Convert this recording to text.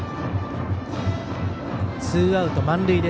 ツーアウト満塁。